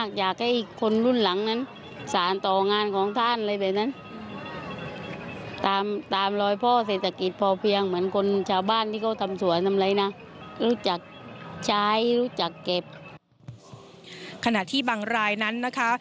ขณะที่บางรายนั้นนะคะ